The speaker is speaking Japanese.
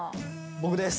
僕です。